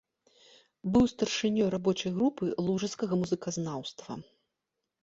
Быў старшынёй рабочай групы лужыцкага музыказнаўства.